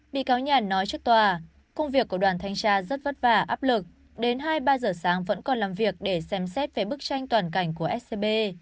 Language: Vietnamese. bị cáo nhàn nói trước tòa công việc của đoàn thanh tra rất vất vả áp lực đến hai ba giờ sáng vẫn còn làm việc để xem xét về bức tranh toàn cảnh của scb